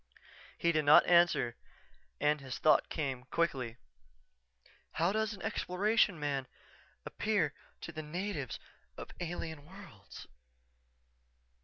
_" He did not answer and its thought came, quickly, "_How does an Exploration man appear to the natives of alien worlds?